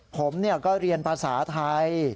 ผมก็เรียนภาษาไทย